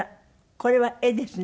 これは絵ですね。